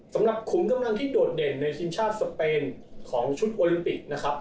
ขุมกำลังที่โดดเด่นในทีมชาติสเปนของชุดโอลิมปิกนะครับ